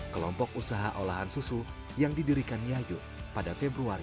kelompok usaha olahan susu yang didirikan nyayu pada februari dua ribu delapan belas